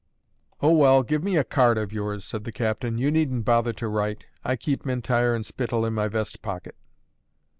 "O, well, give me a card of yours," said the captain: "you needn't bother to write; I keep M'Intyre and Spittal in my vest pocket."